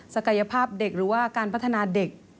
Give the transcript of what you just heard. กายภาพเด็กหรือว่าการพัฒนาเด็ก